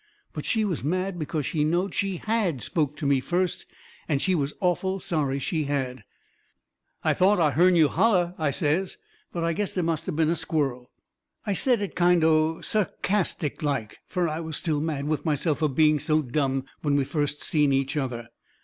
But she was mad because she knowed she HAD spoke to me first, and she was awful sorry she had. "I thought I hearn you holler," I says, "but I guess it must of been a squirrel." I said it kind o' sarcastic like, fur I was still mad with myself fur being so dumb when we first seen each other.